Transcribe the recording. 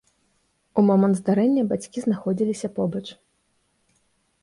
У момант здарэння бацькі знаходзіліся побач.